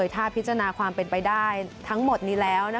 ถ้าพิจารณาความเป็นไปได้ทั้งหมดนี้แล้ว